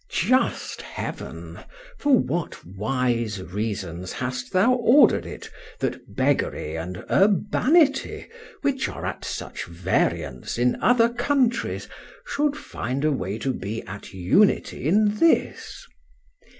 Just Heaven! for what wise reasons hast thou ordered it, that beggary and urbanity, which are at such variance in other countries, should find a way to be at unity in this?